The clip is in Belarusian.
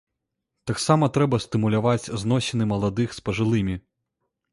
Таксама трэба стымуляваць зносіны маладых з пажылымі.